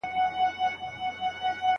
ناڅاپه غوسه قانوني ستونزې هم رامنځته کوي.